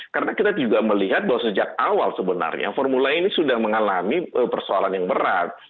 karena kita juga melihat bahwa sejak awal sebenarnya formula e ini sudah mengalami persoalan yang berat